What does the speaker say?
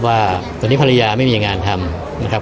ว่าตอนนี้ภรรยาไม่มีงานทำนะครับ